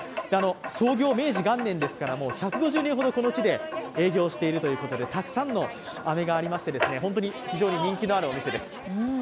創業明治元年ですから１５０年ほどこの地で影響しているということでたくさんの飴がありまして、本当に非常に人気のあるお店です。